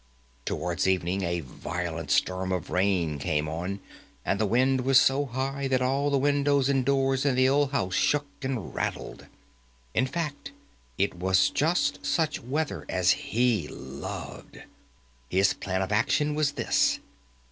Towards evening a violent storm of rain came on, and the wind was so high that all the windows and doors in the old house shook and rattled. In fact, it was just such weather as he loved. His plan of action was this.